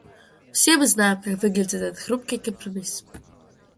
Все мы знаем, как выглядит этот хрупкий компромисс.